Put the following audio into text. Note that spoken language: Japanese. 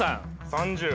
３０。